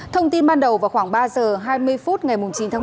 thông tin ban đầu vào khoảng ba giờ hai mươi phút ngày chín tháng một